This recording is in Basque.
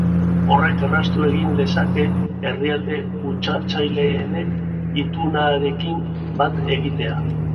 Horrek erraztu egin lezake herrialde kutsatzaileenek itunarekin bat egitea.